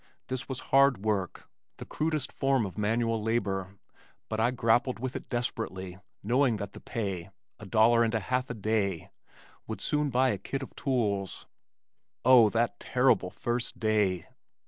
This was hard work, the crudest form of manual labor, but I grappled with it desperately, knowing that the pay (a dollar and a half a day) would soon buy a kit of tools. Oh, that terrible first day!